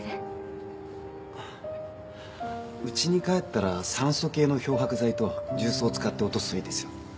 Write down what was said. うちに帰ったら酸素系の漂白剤と重曹を使って落とすといいですよ。